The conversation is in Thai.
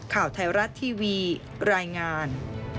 ข่าวไทยรัฐทีวีรายงาน